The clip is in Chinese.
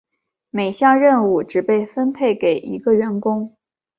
每项任务只被分配给一个员工。